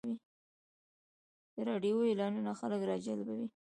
د راډیو اعلانونه خلک راجلبوي.